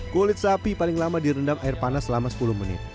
kulit sapi paling lama direndam air panas selama sepuluh menit